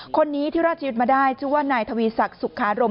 คนนี้ที่รอดชีวิตมาได้ชื่อว่านายทวีศักดิ์สุขารม